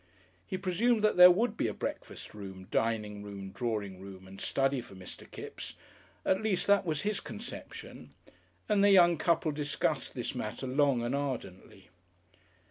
He presumed there would be a breakfast room, dining room, drawing room, and study for Mr. Kipps, at least that was his conception, and the young couple discussed this matter long and ardently.